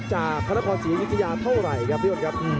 นอกจากภรรพรศรีอยุธยาเท่าไหร่ครับพี่วนครับ